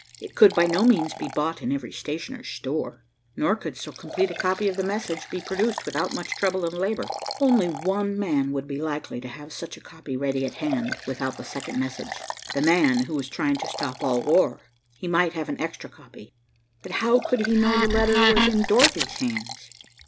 It could by no means be bought in every stationer's store, nor could so complete a copy of the message be produced without much trouble and labor. Only one man would be likely to have such a copy ready at hand, without the second message, the man who was trying to stop all war. He might have an extra copy. But how could he know the letter was in Dorothy's hands?